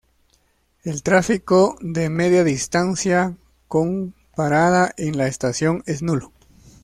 El tráfico de Media Distancia con parada en la estación es nulo.